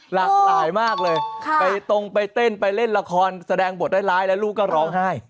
หลากหลายมากเลยไปตรงไปเต้นไปเล่นละครแสดงบทร้ายแล้วลูกก็ร้องไห้